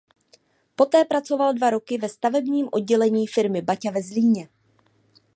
Poté pracoval dva roky ve stavebním oddělení firmy Baťa ve Zlíně.